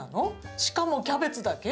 しかも、キャベツだけ？